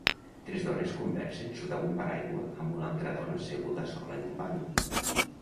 Tres dones conversen sota un paraigua amb una altra dona asseguda sola en un banc